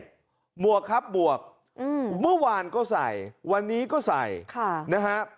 หมวกครับบวกเมื่อวานก็ใส่วันนี้ก็ใส่ค่ะนะฮะ